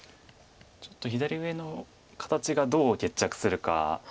ちょっと左上の形がどう決着するか。